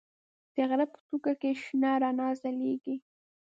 د غره په څوکه کې شنه رڼا ځلېږي.